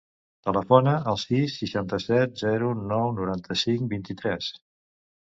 Telefona al sis, seixanta-set, zero, nou, noranta-cinc, vint-i-tres.